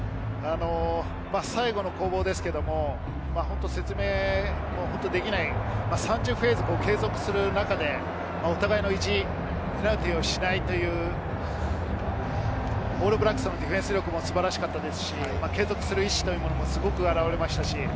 最後の攻防ですけれども、説明できない、３０フェーズ継続する中で、お互いの意地、ペナルティーをしない、オールブラックスのディフェンス力も素晴らしかったですし、継続する意思も表れていました。